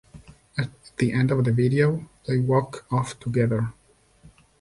At the end of the video they walk off together.